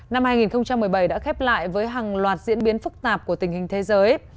năm hai nghìn một mươi bảy đã khép lại với hàng loạt diễn biến phức tạp của tình hình thế giới